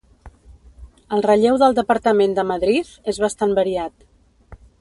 El relleu del Departament de Madriz és bastant variat.